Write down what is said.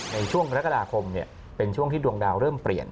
ในช่วงกรกฎาคมเป็นช่วงที่ดวงดาวเริ่มเปลี่ยน